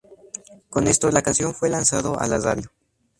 Con esto, la canción fue lanzado a la radio.